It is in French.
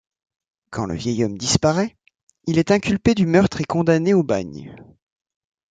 Quand le vieil homme disparaît, il est inculpé du meurtre et condamné au bagne.